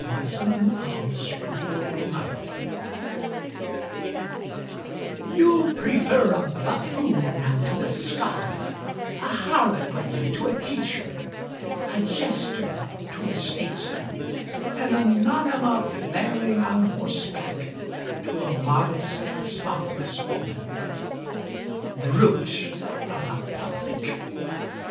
_ CYNICAL ODE TO AN ULTRA CYNICAL PUBLIC You prefer a buffoon to a scholar, A harlequin to a teacher, A jester to a statesman, An Anonyma flaring on horseback To a modest and spotless woman Brute of a public!